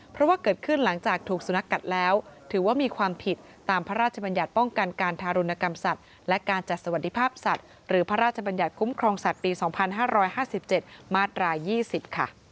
เพราะว่าเกิดขึ้นหลังจากถูกสุนัขกัดแล้วถือว่ามีความผิดตามพระราชบัญญัติป้องกันการทารุณกรรมสัตว์และการจัดสวัสดิภาพสัตว์หรือพระราชบัญญัติคุ้มครองสัตว์ปี๒๕๕๗มาตราย๒๐ค่ะ